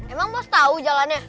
emang bos tahu jalannya